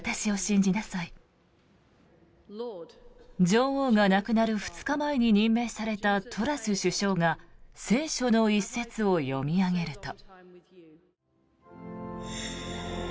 女王が亡くなる２日前に任命されたトラス首相が聖書の一節を読み上げると。